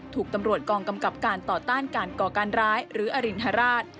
ถูกตำรวจกองกำกับการต่อต้านการก่อการร้ายหรืออรินทราช